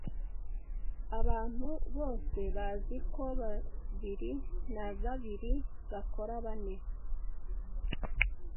Abantu bose bazi ko babiri na babiri bakora bane.